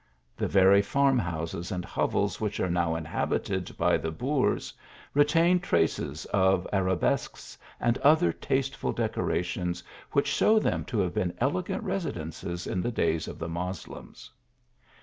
The very farm houses and hovels which are now inhabited by t ic boors, retain traces of arabesques and other 44 THE ALHAMBRA. tasteful decorations, which show them to have been elegant residences in the days of the Moslems.